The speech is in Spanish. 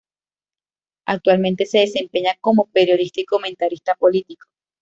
Actualmente se desempeña como periodista y comentarista político.